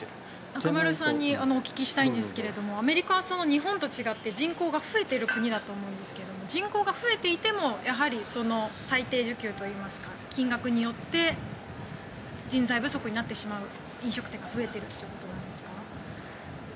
中丸さんにお聞きしたいんですけれどもアメリカは日本と違って人口が増えている国だと思うんですけど人口が増えていてもやはり最低時給といいますか金額によって人材不足になってしまう飲食店が増えているということなんですか。